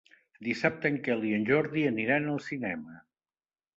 Dissabte en Quel i en Jordi aniran al cinema.